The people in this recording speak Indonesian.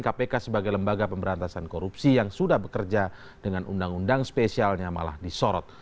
kpk sebagai lembaga pemberantasan korupsi yang sudah bekerja dengan undang undang spesialnya malah disorot